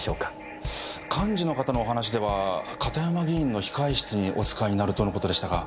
幹事の方のお話では片山議員の控室にお使いになるとの事でしたが。